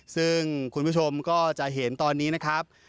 ซึ่งคุณผู้ชมก็จะเห็นตอนนี้นะครับ